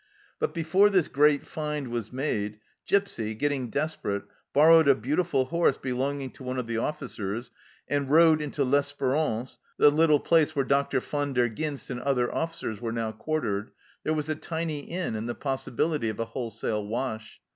But before this great find was made Gipsy, getting desperate, borrowed a beautiful horse belonging to one of the officers and rode into L'Esperance, the little place where Dr. Van der Ghinst and other officers were now quartered, where was a tiny inn and the possibility of a wholesale wash.